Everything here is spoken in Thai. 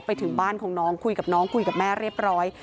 ไปถึงบ้านของน้องคุยกับน้องคุยกับแม่เรียบร้อย